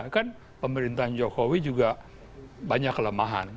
kan pemerintahan jokowi juga banyak kelemahan